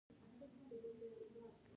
په دغو ژبو کې یې لیکنې او ژباړې هم کړې دي.